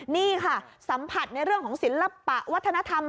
นี่ค่ะสัมผัสในเรื่องของศิลปะวัฒนธรรม